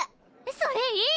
それいい！